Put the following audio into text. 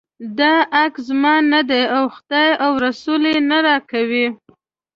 دا حق زما نه دی او خدای او رسول یې نه راکوي.